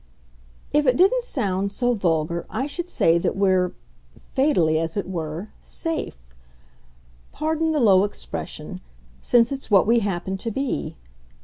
"If it didn't sound so vulgar I should say that we're fatally, as it were SAFE. Pardon the low expression since it's what we happen to be.